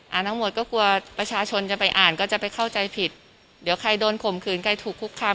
ทั้งหมดก็กลัวประชาชนจะไปอ่านก็จะไปเข้าใจผิดเดี๋ยวใครโดนข่มขืนใครถูกคุกคาม